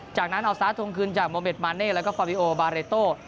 จากนั้นเอาซาสทวงคืนจากโมเด็ดมาเน่แล้วก็ฟาริโอบาเรโต้